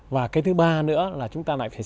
và cái thứ ba nữa là chúng ta lại phải